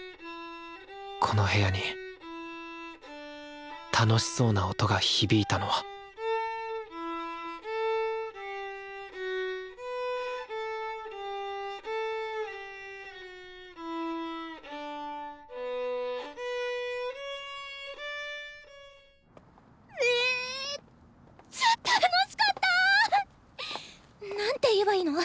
この部屋に楽しそうな音が響いたのはめっちゃ楽しかった！なんて言えばいいの？